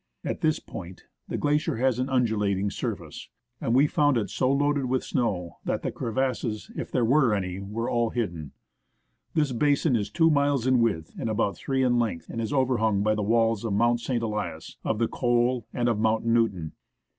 At this point the glacier has an undulat ing surface, and we found it so loaded with snow that the crevasses, if there were any, were all hidden. This basin is two miles in width and about three in length, and is overhung by the walls of Mount St. Elias, of the col and of Mount Newton.